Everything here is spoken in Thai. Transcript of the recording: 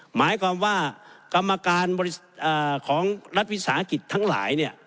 หมายความว่ากรรมการของรัฐวิสาหกิจทั้งหลาย